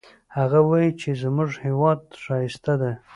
هغه وایي چې زموږ هیواد ښایسته ده